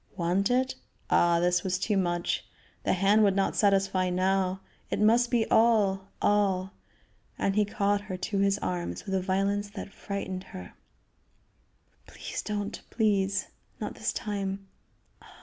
Want it? Ah! this was too much! The hand would not satisfy now; it must be all, all! And he caught her to his arms with a violence that frightened her. "Please don't, please! Not this time.